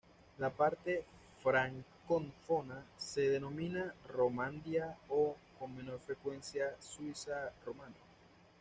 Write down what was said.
La parte francófona se denomina Romandía o, con menor frecuencia, "Suiza romana".